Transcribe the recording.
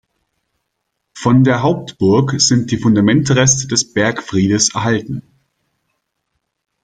Von der Hauptburg sind die Fundamentreste des Bergfriedes erhalten.